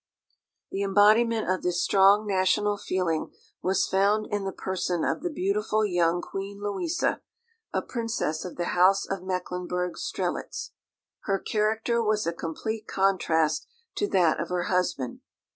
The embodiment of this strong national feeling was found in the person of the beautiful young Queen Louisa, a princess of the House of Mecklenburg Strelitz. Her character was a complete contrast to that of her husband.